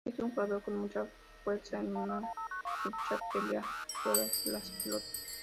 Es un jugador con mucha fuerza en la lucha, pelea todas las pelotas.